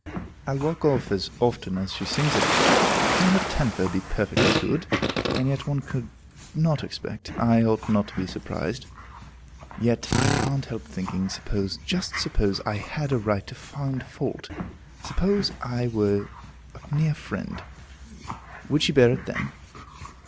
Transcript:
I'll walk off as often as she sings it. Can her temper be perfectly good? And yet, one could not expect I ought not to be surprised. Yet I can't help thinking, suppose just suppose I had a right to find fault, suppose I were a near friend, would she bear it then?